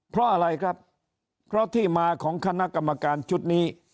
เพราะอะไรครับเพราะที่มาของคณะกรรมการชุดนี้